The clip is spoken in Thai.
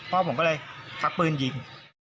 พ่อผมก็เลยชักปืนยิง